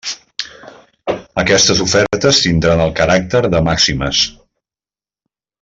Aquestes ofertes tindran el caràcter de màximes.